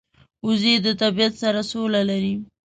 وزې د طبیعت سره سوله لري